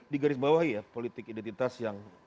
di garis bawah ya politik identitas yang